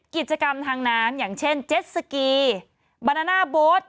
กิจกรรมทางน้ำอย่างเช่นเจ็ดสกีบานาน่าโบ๊ท